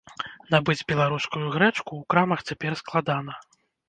Набыць беларускую грэчку ў крамах цяпер складана.